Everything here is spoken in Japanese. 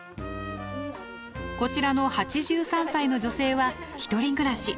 こちらの８３歳の女性は独り暮らし。